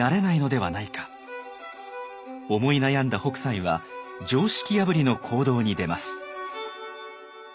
思い悩んだ北斎は常識破りの行動に出ます。